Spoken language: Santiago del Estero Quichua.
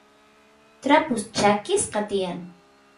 trapus chakisqa tiyan